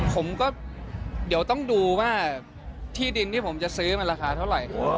ผมก็เดี๋ยวต้องดูว่าที่ดินที่ผมจะซื้อมันราคาเท่าไหร่